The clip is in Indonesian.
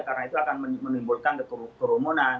karena itu akan menimbulkan kerumunan